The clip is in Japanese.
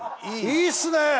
いいっすねえ！